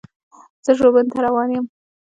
زه ژوبڼ ته روان یم.